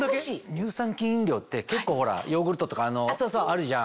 乳酸菌飲料って結構ほらヨーグルトとかあるじゃん。